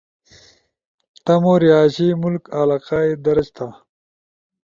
تمو رہائشی ملک/ علاقہ ئی درج تھا